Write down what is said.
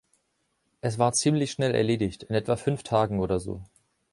Es war ziemlich schnell erledigt, in etwa fünf Tagen oder so.